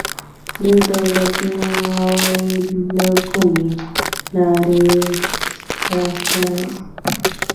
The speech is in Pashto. د دولت عواید له کومې لارې لاسته راځي؟